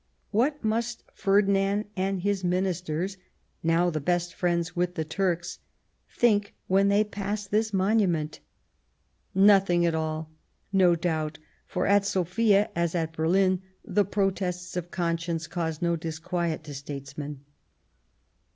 What must Ferdi nand and his Ministers, now the best of friends with the Turks, think when they pass this monument ? Nothing at all, no doubt, for at Sofia, as at Berlin, the protests of conscience cause no disquiet to statesmen.